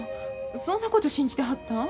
そんなこと信じてはったん？